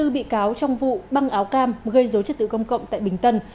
chín mươi bốn bị cáo trong vụ băng áo cam gây dấu chất tự công cộng tại bình tân